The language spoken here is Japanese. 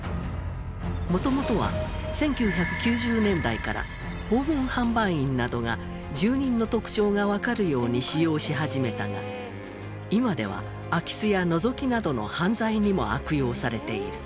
元々は１９９０年代から訪問販売員などが住人の特徴がわかるように使用し始めたが今では空き巣やのぞきなどの犯罪にも悪用されている。